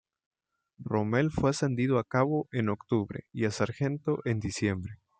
Rommel fue ascendido a cabo en octubre y a sargento en diciembre.